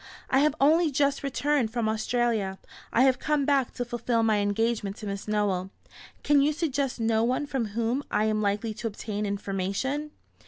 "I have only just returned from Australia. I have come back to fulfil my engagement to Miss Nowell. Can you suggest no one from whom I am likely to obtain information?"